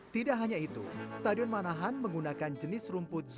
tidak hanya itu stadion manahan menggunakan jenis rumput zo